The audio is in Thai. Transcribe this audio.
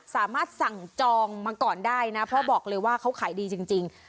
สามารถสั่งจองมาก่อนได้นะเพราะบอกเลยว่าเขาขายดีจริง